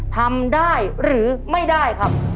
ทำได้หรือไม่ได้ครับ